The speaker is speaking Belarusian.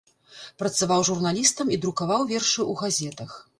Працаваў журналістам і друкаваў вершы ў газетах.